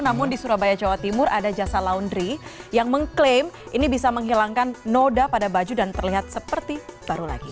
namun di surabaya jawa timur ada jasa laundry yang mengklaim ini bisa menghilangkan noda pada baju dan terlihat seperti baru lagi